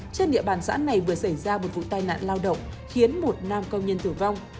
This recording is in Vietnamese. trên địa bàn xã này vừa xảy ra một vụ tai nạn lao động khiến một nam công nhân tử vong